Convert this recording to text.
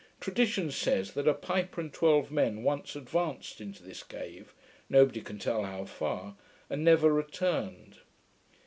Tradition says, that a piper and twelve men once advanced into this cave, nobody can tell how far; and never returned.